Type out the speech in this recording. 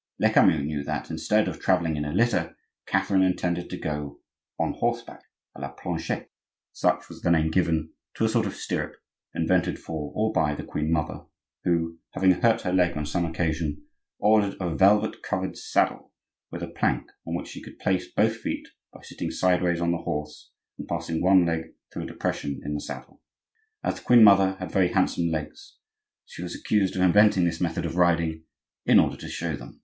Lecamus knew that, instead of travelling in a litter, Catherine intended to go on horseback, a la planchette,—such was the name given to a sort of stirrup invented for or by the queen mother, who, having hurt her leg on some occasion, ordered a velvet covered saddle with a plank on which she could place both feet by sitting sideways on the horse and passing one leg through a depression in the saddle. As the queen mother had very handsome legs, she was accused of inventing this method of riding, in order to show them.